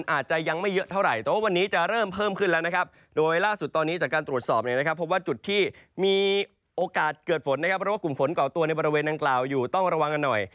อาจเกิดฝนนะครับเพราะว่ากลุ่มฝนเก่าตัวในบริเวณนางกล่าวอยู่ต้องระวังกันหน่อย